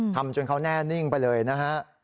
จนเขาแน่นิ่งไปเลยนะฮะ